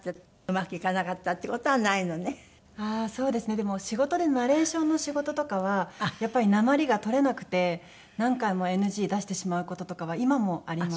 でも仕事でナレーションの仕事とかはやっぱりなまりが取れなくて何回もＮＧ出してしまう事とかは今もあります。